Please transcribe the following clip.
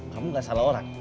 kamu gak salah orang